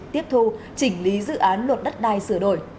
tiếp thu chỉnh lý dự án luật đất đai sửa đổi